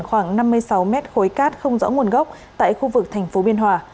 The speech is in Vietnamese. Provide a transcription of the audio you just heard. khoảng năm mươi sáu m khối cát không rõ nguồn gốc tại khu vực tp biên hòa